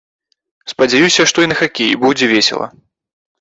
Спадзяюся, што і на хакеі будзе весела.